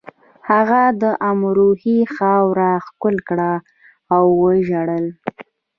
هغه د امروهې خاوره ښکل کړه او وژړل